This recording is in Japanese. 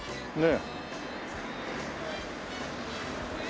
ねえ。